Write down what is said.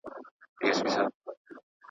زه چي له کومي ښځي سره مينه کوم